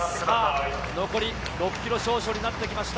残り６ｋｍ少々になりました。